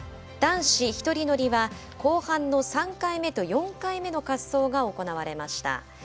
男子１人乗りは後半の３回目と４回目の滑走が行われました。